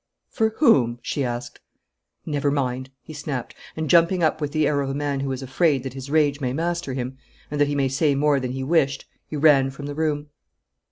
'For whom?' she asked. 'Never mind!' he snapped, and, jumping up with the air of a man who is afraid that his rage may master him, and that he may say more than he wished, he ran from the room.